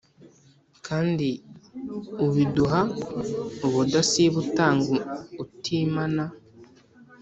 Kandi ubiduha ubudasiba utanga utimana